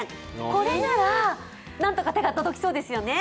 これなら何とか手が届きそうですよね。